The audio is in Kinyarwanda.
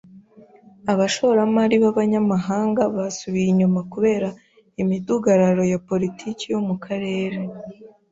Abashoramari b'abanyamahanga basubiye inyuma kubera imidugararo ya politiki yo mu karere.